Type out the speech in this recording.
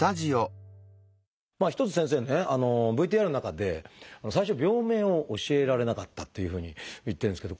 一つ先生ねＶＴＲの中で最初病名を教えられなかったっていうふうに言ってるんですけど。